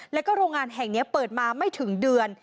แล้วก็โรงงานแห่งนี้เปิดมาไม่ถึงเดือน